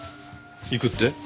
行くって？